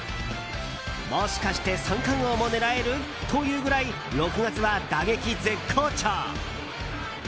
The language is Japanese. もしかして三冠王も狙える？というぐらい６月は打撃絶好調。